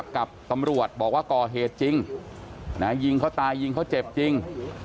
กับตำรวจบอกว่าก่อเหตุจริงยิงเขาตายยิงเขาเจ็บจริง